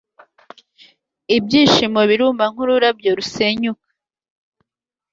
Ibyishimo biruma nkururabyo rusenyuka